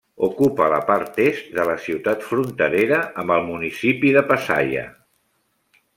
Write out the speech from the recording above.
Ocupa la part est de la ciutat fronterera amb el municipi de Pasaia.